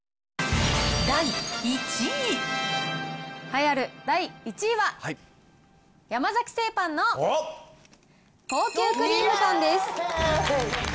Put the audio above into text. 栄えある第１位は、山崎製パンの高級クリームパンです。